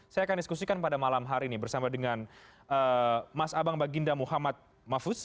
saya akan diskusikan pada malam hari ini bersama dengan mas abang baginda muhammad mahfuz